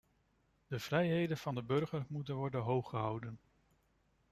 De vrijheden van de burger moeten worden hooggehouden.